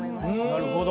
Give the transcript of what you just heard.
なるほど。